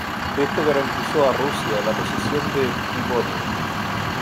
Esto garantizó a Rusia la posesión de Primorie.